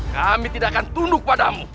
kami tidak akan tunduk padamu